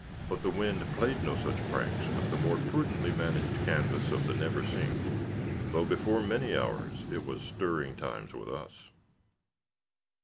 But the wind played no such pranks with the more prudently managed canvas of the Neversink, though before many hours it was stirring times with us.